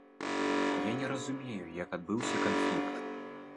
Я не разумею, як адбыўся канфлікт.